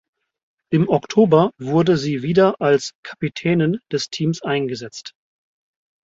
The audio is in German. Im Oktober wurde sie wieder als Kapitänin des Teams eingesetzt.